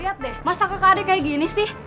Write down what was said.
lihat deh masa kakak adik kayak gini sih